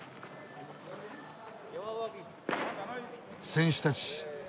選手たち